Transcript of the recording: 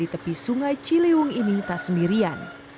di tepi sungai ciliwung ini tak sendirian